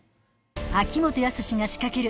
秋元康が仕掛ける